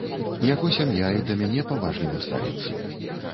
Яго сям'я і да мяне паважліва ставіцца.